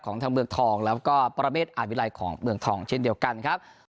ทางเมืองทองแล้วก็ปรเมฆอาจวิลัยของเมืองทองเช่นเดียวกันครับ